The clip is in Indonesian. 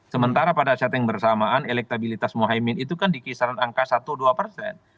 sementara pada setting bersamaan elektabilitas mohaimin itu kan di kisaran angka satu dua persen